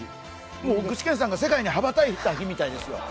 もう具志堅さんが世界に羽ばたいた日みたいですよ。